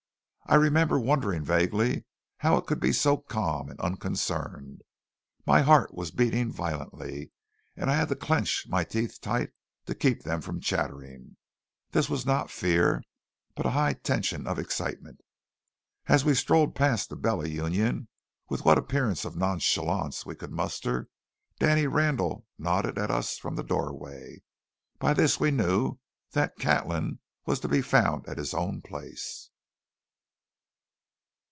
I remember wondering vaguely how it could be so calm and unconcerned. My heart was beating violently, and I had to clench my teeth tight to keep them from chattering. This was not fear, but a high tension of excitement. As we strolled past the Bella Union with what appearance of nonchalance we could muster, Danny Randall nodded at us from the doorway. By this we knew that Catlin was to be found at his own place.